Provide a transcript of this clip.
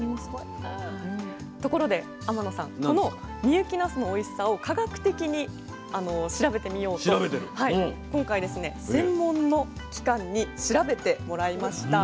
ところで天野さんこの深雪なすのおいしさを科学的に調べてみようと今回専門の機関に調べてもらいました。